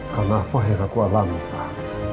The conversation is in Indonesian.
karena apa yang aku alami pak